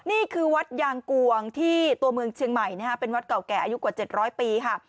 นี่คือวัดยางกวงที่ตัวเมืองเชียงใหม่นะฮะเป็นวัดเก่าแก่อายุกว่า๗๐๐ปีค่ะ